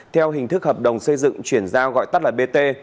theo hình thức hợp đồng xây dựng chuyển ra gọi tắt là bt